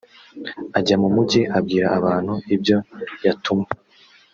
ajya mu mugi abwira abantu ibyo yatumwe